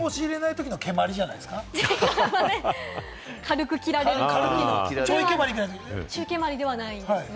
そんなに本腰を入れないときの蹴鞠じゃないですか？